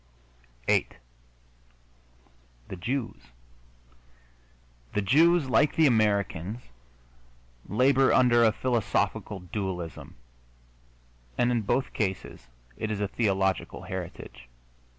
VIII THE JEWS The Jews, like the Americans, labor under a philosophical dualism, and in both cases it is a theological heritage.